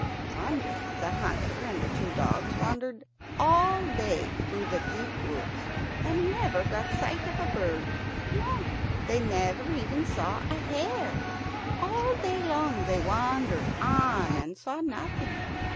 One day the hunter and the two dogs wandered all day through the deep woods, and never got a sight of a bird; no, they never even saw a hare. All day long they wandered on and saw nothing.